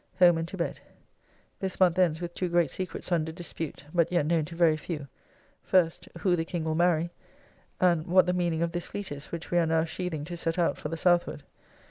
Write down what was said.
Home and to bed. This month ends with two great secrets under dispute but yet known to very few: first, Who the King will marry; and What the meaning of this fleet is which we are now sheathing to set out for the southward.